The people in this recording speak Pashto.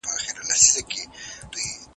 مشران اوس په لويه جرګه کي بحثونه کوي.